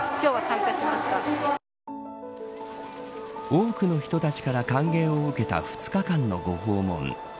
多くの人たちから歓迎を受けた２日間のご訪問。